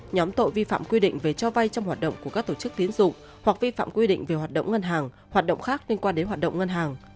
nhóm tội vi phạm quy định về cho vay trong hoạt động của các tổ chức tiến dụng hoặc vi phạm quy định về hoạt động ngân hàng hoạt động khác liên quan đến hoạt động ngân hàng